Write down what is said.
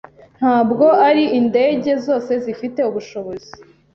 Ntabwo ari indege zose zifite ubushobozi